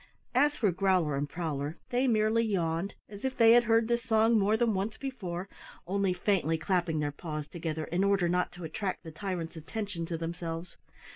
As for Growler and Prowler, they merely yawned, as if they had heard this song more than once before, only faintly clapping their paws together in order not to attract the tyrant's attention to themselves.